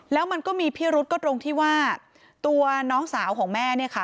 แล้วมันก็มีพิรุษก็ตรงที่ว่าตัวน้องสาวของแม่เนี่ยค่ะ